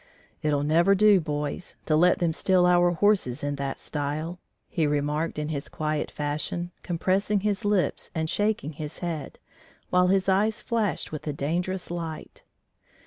"It'll never do, boys, to let them steal our horses in that style," he remarked in his quiet fashion, compressing his lips and shaking his head, while his eyes flashed with a dangerous light.